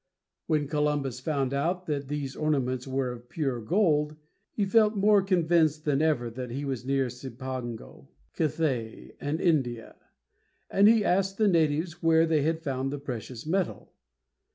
When Columbus found out that these ornaments were of pure gold, he felt more convinced than ever that he was near Cipango, Cathay, and India, and he asked the natives where they had found the precious metal.